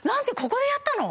ここでやったの？